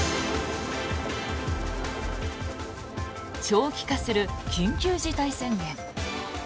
長期化する緊急事態宣言。